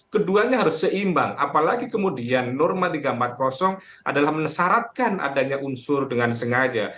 keduanya harus seimbang apalagi kemudian norma tiga ratus empat puluh adalah menesaratkan adanya unsur dengan sengaja